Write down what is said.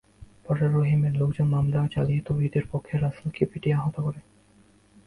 পরে রহিমের লোকজন হামলা চালিয়ে তৌহিদের পক্ষের রাসেলকে পিটিয়ে আহত করে।